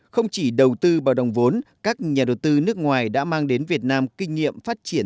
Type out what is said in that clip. không chỉ đầu tư vào đồng vốn các nhà đầu tư nước ngoài đã mang đến việt nam kinh nghiệm phát triển